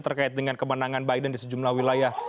terkait dengan kemenangan biden di sejumlah wilayah